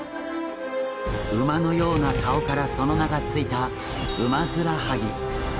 馬のような顔からその名が付いたウマヅラハギ。